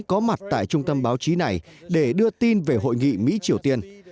có mặt tại trung tâm báo chí này để đưa tin về hội nghị mỹ triều tiên